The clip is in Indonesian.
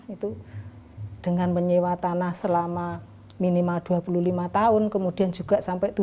itu dengan menyewa tanah selama minimal dua puluh lima tahun kemudian juga sampai tujuh puluh tahun